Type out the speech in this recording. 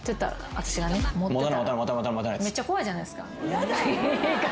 めっちゃ怖いじゃないですか。